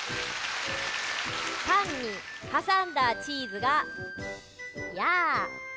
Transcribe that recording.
パンにはさんだチーズが「やあ」